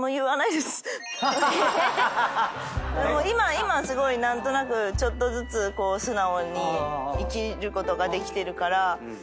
今すごい何となくちょっとずつ素直に生きることができてるから。